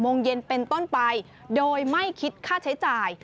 ตั้งแต่เวลา๑๘๐๐๐เยนเป็นต้นไปโดยไม่คิดค่าใช้จ่าย